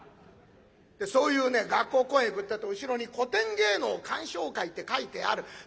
でそういうね学校公演行くってえと後ろに「古典芸能鑑賞会」って書いてある。